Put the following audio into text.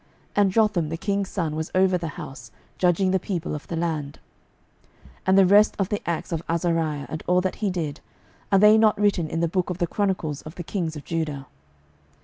And Jotham the king's son was over the house, judging the people of the land. 12:015:006 And the rest of the acts of Azariah, and all that he did, are they not written in the book of the chronicles of the kings of Judah?